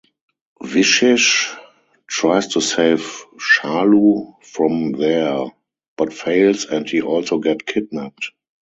Vishesh tries to save Shalu from there but fails and he also get kidnapped.